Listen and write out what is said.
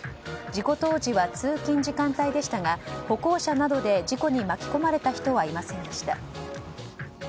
事故当時は通勤時間帯でしたが歩行者などで事故に巻き込まれた人はいませんでした。